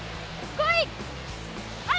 来い！